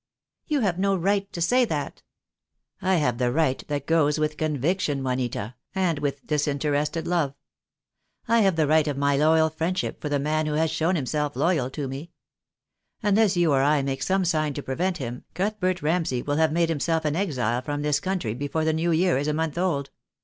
"You have no right to say that." "I have the right that goes with conviction, Juanita, and with disinterested love. I have the right of my loyal friendship for the man who has shown himself loyal to me. Unless you or I make some sign to prevent him, Cuthbert Ramsay will have made himself an exile from this country before the new year is a month old."